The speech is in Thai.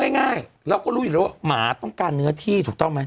ง่ายเราก็รู้อยู่แล้วว่าหมาต้องการเนื้อที่ถูกต้องไหม